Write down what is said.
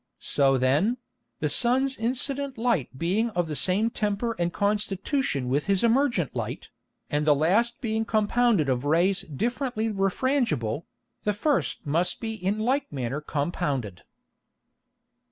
So then, the Sun's incident Light being of the same Temper and Constitution with his emergent Light, and the last being compounded of Rays differently refrangible, the first must be in like manner compounded.